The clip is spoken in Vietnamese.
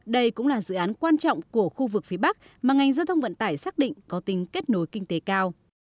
đây cũng là dự án quan trọng của khu vực phía bắc mà ngành giao thông vận tải xác định có tính kết nối kinh tế cao